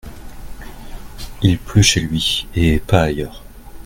Il pleut chez lui et pas ailleurs.